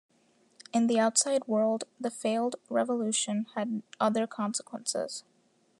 In the outside world, the failed revolution had other consequences.